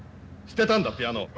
捨てたんだピアノを。